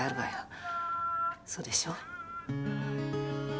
そうでしょう？